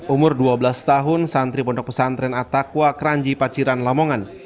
umur dua belas tahun santri pondok pesantren atakwa kranji paciran lamongan